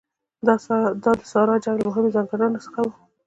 دا د ساړه جنګ له مهمو ځانګړنو څخه وه.